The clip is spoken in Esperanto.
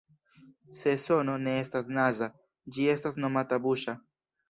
Se sono ne estas naza, ĝi estas nomata "buŝa.